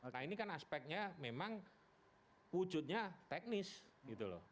nah ini kan aspeknya memang wujudnya teknis gitu loh